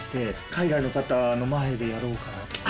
海外の方の前でやろうかなと思って。